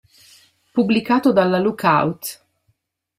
Pubblicato dalla Lookout!